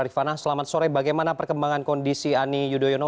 rifana selamat sore bagaimana perkembangan kondisi ani yudhoyono